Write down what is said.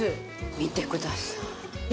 見てください。